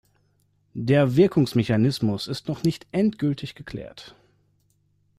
Der Wirkungsmechanismus ist noch nicht endgültig geklärt.